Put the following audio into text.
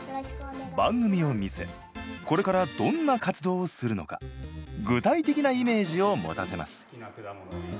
番組を見せこれからどんな活動をするのか具体的なイメージを持たせます。